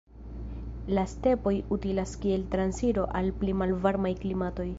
La stepoj utilas kiel transiro al pli malvarmaj klimatoj.